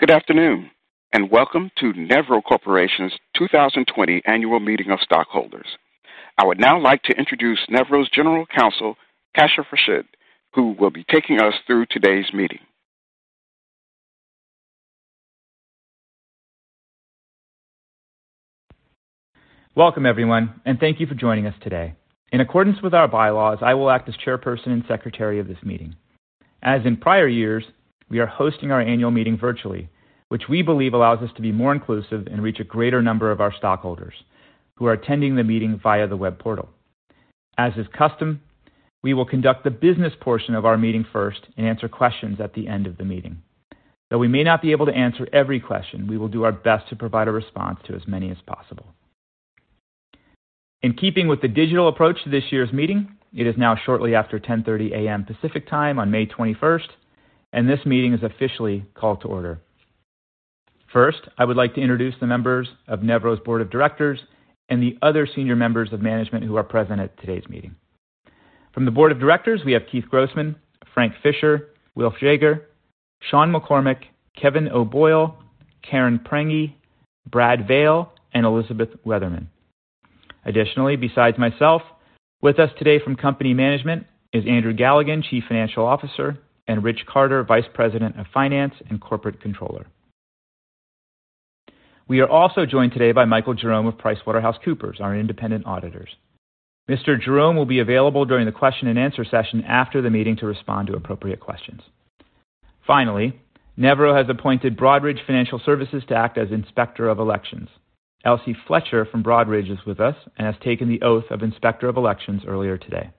Good afternoon, and welcome to Nevro Corp.'s 2020 Annual Meeting of Stockholders. I would now like to introduce Nevro's General Counsel, Kashif Rashid, who will be taking us through today's meeting. Welcome, everyone, and thank you for joining us today. In accordance with our bylaws, I will act as chairperson and secretary of this meeting. As in prior years, we are hosting our annual meeting virtually, which we believe allows us to be more inclusive and reach a greater number of our stockholders who are attending the meeting via the web portal. As is custom, we will conduct the business portion of our meeting first and answer questions at the end of the meeting. Though we may not be able to answer every question, we will do our best to provide a response to as many as possible. In keeping with the digital approach to this year's meeting, it is now shortly after 10:30 AM Pacific Time on May 21st, and this meeting is officially called to order. First, I would like to introduce the members of Nevro's Board of Directors and the other senior members of management who are present at today's meeting. From the board of directors, we have Keith Grossman, Frank Fischer, Will Schlager, Shawn McCormick, Kevin O'Boyle, Karen Prange, Brad Vale, and Elizabeth Weatherman. Additionally, besides myself, with us today from company management is Andrew Galligan, Chief Financial Officer, and Rich Carter, Vice President of Finance and Corporate Controller. We are also joined today by Michael Jerome of PricewaterhouseCoopers, our independent auditors. Mr. Jerome will be available during the question and answer session after the meeting to respond to appropriate questions. Finally, Nevro has appointed Broadridge Financial Solutions to act as Inspector of Elections. Elsie Fletcher from Broadridge is with us and has taken the oath of Inspector of Elections earlier today.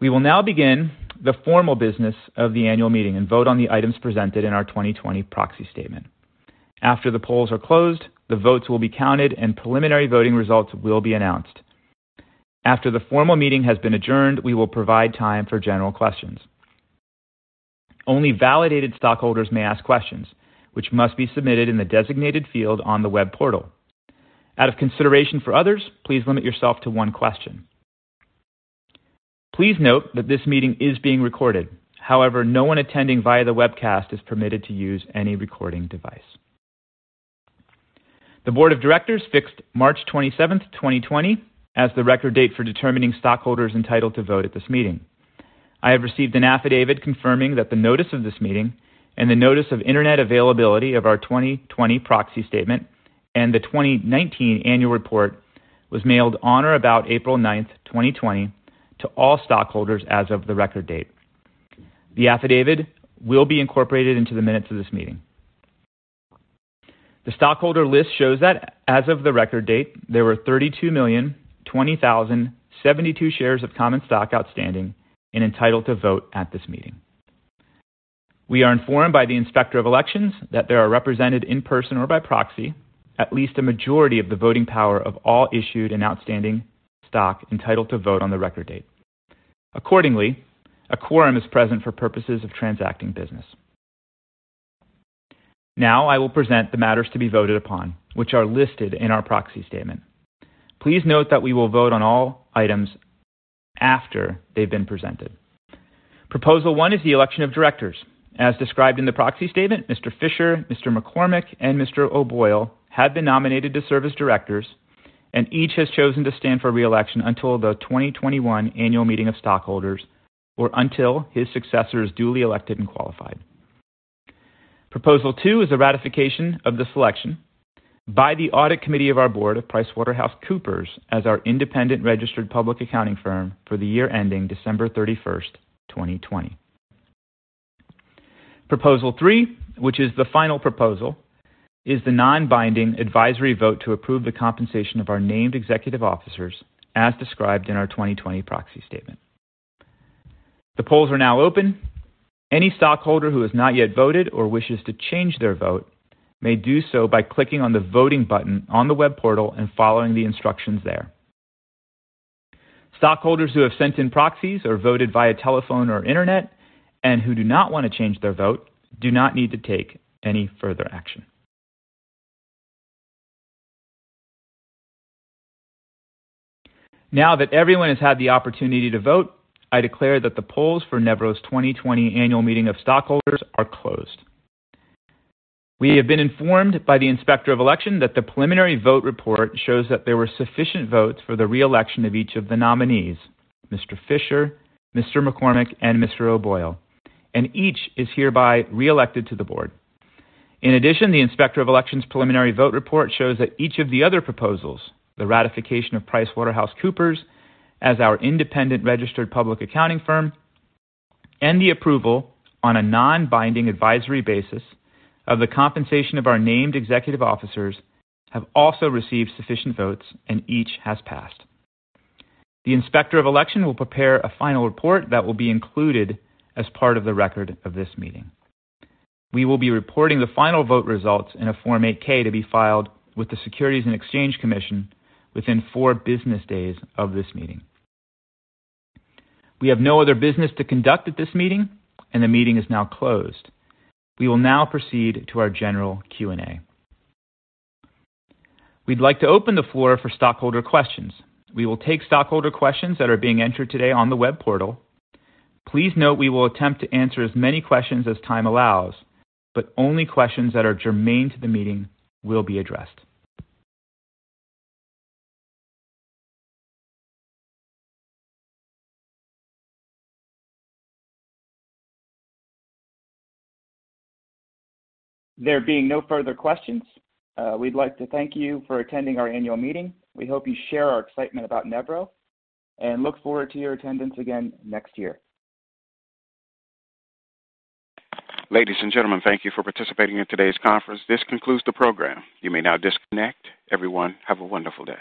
We will now begin the formal business of the annual meeting and vote on the items presented in our 2020 proxy statement. After the polls are closed, the votes will be counted and preliminary voting results will be announced. After the formal meeting has been adjourned, we will provide time for general questions. Only validated stockholders may ask questions, which must be submitted in the designated field on the web portal. Out of consideration for others, please limit yourself to one question. Please note that this meeting is being recorded. However, no one attending via the webcast is permitted to use any recording device. The board of directors fixed March 27th, 2020, as the record date for determining stockholders entitled to vote at this meeting. I have received an affidavit confirming that the notice of this meeting and the notice of internet availability of our 2020 proxy statement and the 2019 annual report was mailed on or about April 9th, 2020, to all stockholders as of the record date. The affidavit will be incorporated into the minutes of this meeting. The stockholder list shows that as of the record date, there were 32,020,072 shares of common stock outstanding and entitled to vote at this meeting. We are informed by the Inspector of Elections that there are represented in person or by proxy, at least a majority of the voting power of all issued and outstanding stock entitled to vote on the record date. Accordingly, a quorum is present for purposes of transacting business. Now I will present the matters to be voted upon, which are listed in our proxy statement. Please note that we will vote on all items after they've been presented. Proposal one is the election of directors. As described in the proxy statement, Mr. Fischer, Mr. McCormick, and Mr. O'Boyle have been nominated to serve as directors, and each has chosen to stand for re-election until the 2021 annual meeting of stockholders or until his successor is duly elected and qualified. Proposal two is a ratification of the selection by the audit committee of our board of PricewaterhouseCoopers as our independent registered public accounting firm for the year ending December 31st, 2020. Proposal three, which is the final proposal, is the non-binding advisory vote to approve the compensation of our named executive officers as described in our 2020 proxy statement. The polls are now open. Any stockholder who has not yet voted or wishes to change their vote may do so by clicking on the voting button on the web portal and following the instructions there. Stockholders who have sent in proxies or voted via telephone or internet and who do not want to change their vote do not need to take any further action. Now that everyone has had the opportunity to vote, I declare that the polls for Nevro's 2020 annual meeting of stockholders are closed. We have been informed by the Inspector of Election that the preliminary vote report shows that there were sufficient votes for the re-election of each of the nominees, Mr. Fischer, Mr. McCormick, and Mr. O'Boyle, and each is hereby re-elected to the board. In addition, the Inspector of Elections' preliminary vote report shows that each of the other proposals, the ratification of PricewaterhouseCoopers as our independent registered public accounting firm, and the approval on a non-binding advisory basis of the compensation of our named executive officers have also received sufficient votes, and each has passed. The Inspector of Election will prepare a final report that will be included as part of the record of this meeting. We will be reporting the final vote results in a Form 8-K to be filed with the Securities and Exchange Commission within four business days of this meeting. We have no other business to conduct at this meeting, and the meeting is now closed. We will now proceed to our general Q&A. We'd like to open the floor for stockholder questions. We will take stockholder questions that are being entered today on the web portal. Please note we will attempt to answer as many questions as time allows, but only questions that are germane to the meeting will be addressed. There being no further questions, we'd like to thank you for attending our annual meeting. We hope you share our excitement about Nevro and look forward to your attendance again next year. Ladies and gentlemen, thank you for participating in today's conference. This concludes the program. You may now disconnect. Everyone, have a wonderful day.